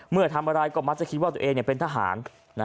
เมื่อทำอะไรก็มักจะคิดว่าตัวเองเป็นทหาร